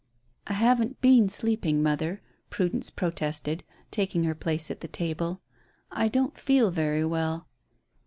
"I haven't been sleeping, mother," Prudence protested, taking her place at the table. "I don't feel very well."